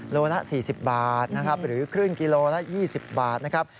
ลูละ๔๐บาทหรือครึ่งกิโลละ๒๐บาทนะครับ